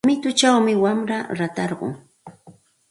Mituchawmi wamra ratarqun.